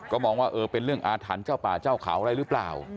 ก็มองว่าเออเป็นเรื่องอาถรรพ์เจ้าป่าเจ้าเขาอะไรหรือเปล่า